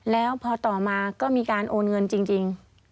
แล้วพอต่อมาก็มีการโอนเงินจริง